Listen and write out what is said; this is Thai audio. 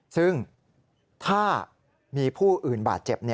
ซึ่งถ้ามีผู้อื่นบาดเจ็บ